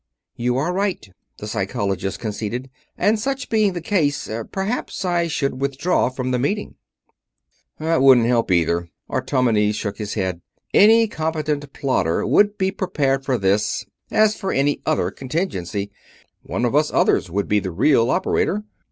"You are right," the Psychologist conceded. "And, such being the case, perhaps I should withdraw from the meeting." "That wouldn't help, either." Artomenes shook his head. "Any competent plotter would be prepared for this, as for any other contingency. One of us others would be the real operator."